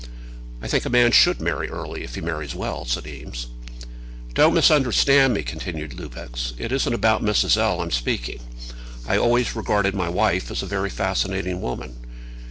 "I think a man should marry early, if he marries well," said Eames. "Don't misunderstand me," continued Lupex. "It isn't about Mrs. L. I'm speaking. I've always regarded my wife as a very fascinating woman."